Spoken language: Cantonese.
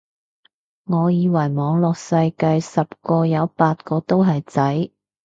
我以為網絡世界十個有八個都係仔